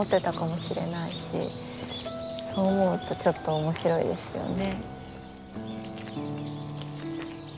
そう思うとちょっと面白いですよね。